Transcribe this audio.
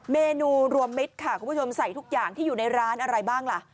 เมนูรวมมิตรค่ะคุณผู้ชมใส่ทุกอย่างที่อยู่ในร้านอะไรบ้างล่ะ